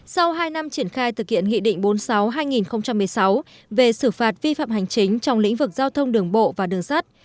sau hai năm triển khai thực hiện nghị định bốn mươi sáu hai nghìn một mươi sáu về xử phạt vi phạm hành chính trong lĩnh vực giao thông đường bộ và đường sắt